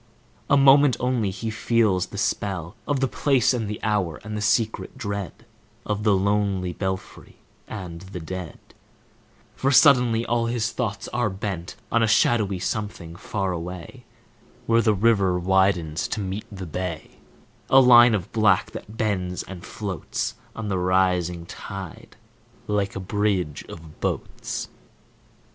A moment only he feels the spell Of the place and the hour, and the secret dread Of the lonely belfry and the dead; For suddenly all his thoughts are bent On a shadowy something far away, Where the river widens to meet the bay,— A line of black that bends and floats On the rising tide, like a bridge of boats.